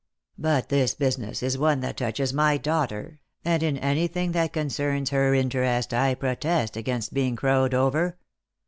But this business is one that touches my daughter, and in anything that coneerns her interest I protest against being crowed over.